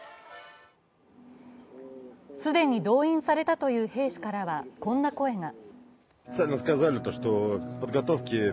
既に動員されたという兵士からはこんな声が。